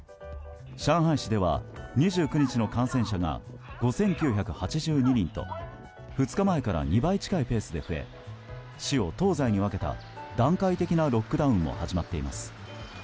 上海市では２９日の感染者が５９８２人と２日前から２倍近いペースで増え市を東西に分けた段階的なロックダウンも始まっています。